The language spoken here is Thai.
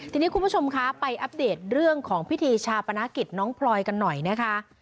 ทีนี้คุณผู้ชมคะไปอัปเดตเรื่องของพิธีชาปนกิจน้องพลอยกันหน่อยนะคะ